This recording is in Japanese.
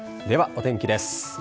ではお天気です。